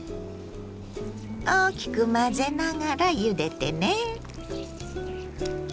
大きく混ぜながらゆでてね。